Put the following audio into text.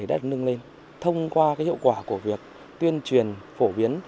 đã nâng lên thông qua hiệu quả của việc tuyên truyền phổ biến